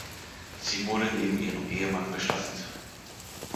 Sie wurde neben ihrem Ehemann bestattet.